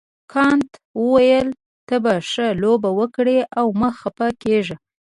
کانت وویل ته به ښه لوبه وکړې او مه خفه کیږه.